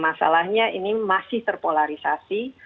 masalahnya ini masih terpolarisasi